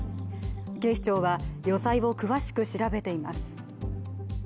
警視庁は余罪を詳しく調べています。